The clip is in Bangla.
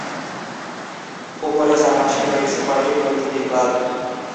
ওপরে চারপাশে রয়েছে কয়টি বৈদ্যুতিক বাল্ব?